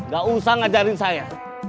gak usah ngajarin saya